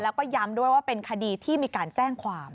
แล้วก็ย้ำด้วยว่าเป็นคดีที่มีการแจ้งความ